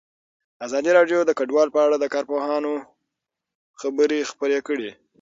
ازادي راډیو د کډوال په اړه د کارپوهانو خبرې خپرې کړي.